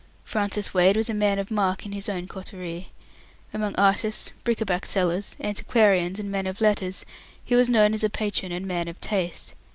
Francis Wade was a man of mark in his own coterie. Among artists, bric a brac sellers, antiquarians, and men of letters he was known as a patron and man of taste.